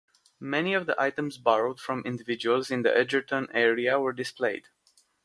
Many other items borrowed from individuals in the Edgerton area were displayed.